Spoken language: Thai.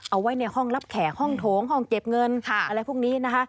เอาไว้ในห้องรับแขกห้องโถงห้องเก็บเงินอะไรพวกนี้นะคะ